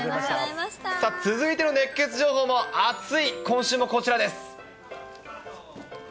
さあ、続いての熱ケツ情報も熱い、今週もこちらです。